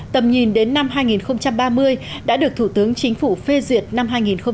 tầm nhìn đến năm hai nghìn ba mươi đã được thủ tướng chính phủ phê duyệt năm hai nghìn bốn mươi